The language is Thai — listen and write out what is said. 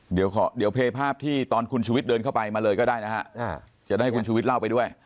เดี๋ยวเพลย์ภาพที่ตอนคุณชุวิตเดินเข้าไปมาเลยก็ได้นะฮะจะได้ให้คุณชุวิตเล่าไปด้วย